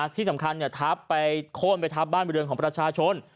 ที่สำคัญทับไปโค้นไปทับบ้านบริเวณของประชาชน